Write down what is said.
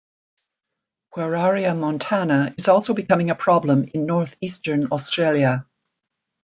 "Pueraria montana" is also becoming a problem in northeastern Australia.